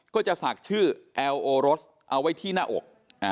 ก็จะศักดิ์ชื่อแอลโอรสเอาไว้ที่หน้าอก